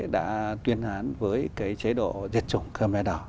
đã tuyên án với chế độ diệt chủng khmer đỏ